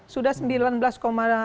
sudah sembilan bulan